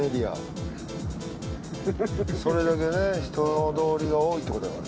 それだけね人通りが多いってことやから。